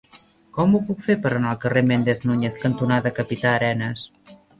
Com ho puc fer per anar al carrer Méndez Núñez cantonada Capità Arenas?